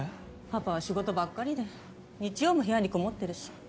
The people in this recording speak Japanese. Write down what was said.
パパは仕事ばっかりで日曜も部屋にこもってるし。